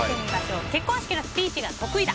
結婚式のスピーチが得意だ。